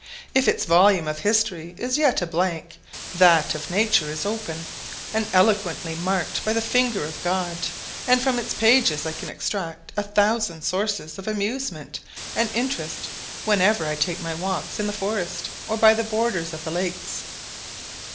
If its volume of history is yet a blank, that of Nature is open, and eloquently marked by the finger of God; and from its pages I can extract a thousand sources of amusement and interest whenever I take my walks in the forest or by the borders of the lakes.